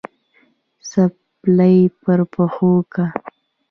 څپلۍ په پښو که